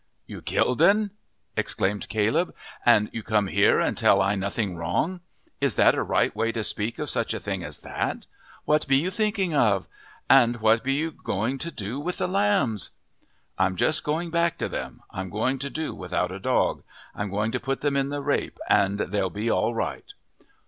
"You killed 'n!" exclaimed Caleb. "An' you come here an' tell I nothing's wrong! Is that a right way to speak of such a thing as that? What be you thinking of? And what be you going to do with the lambs?" "I'm just going back to them I'm going to do without a dog. I'm going to put them in the rape and they'll be all right."